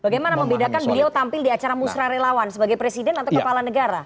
bagaimana membedakan beliau tampil di acara musra relawan sebagai presiden atau kepala negara